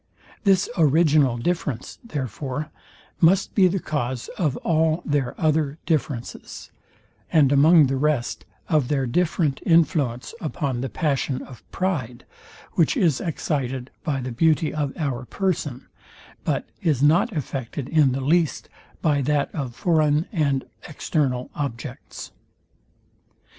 This original difference, therefore, must be the cause of all their other differences, and among the rest, of their different influence upon the passion of pride, which is excited by the beauty of our person, but is not affected in the least by that of foreign and external objects.